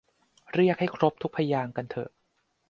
เรียกให้ครบทุกพยางค์กันเถอะ